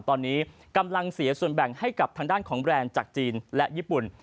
ตอนนี้กำลังเสียส่วนแบ่งให้กับทางด้านของแบรนด์จากจีนและญี่ปุ่น